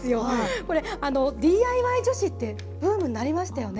これ、ＤＩＹ女子って、ブームになりましたよね。